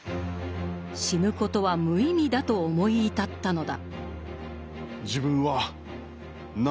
死ぬことは無意味だと思い至ったのだ。